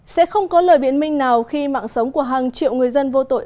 sẽ không có lời biện minh nào khi mạng sống của hàng triệu người dân vô tội